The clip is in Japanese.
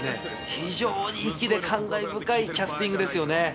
非常に粋で感慨深いキャスティングですよね。